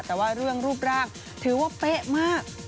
แต่ว่าเรื่องรูปร่างถือว่าเป๊ะมาก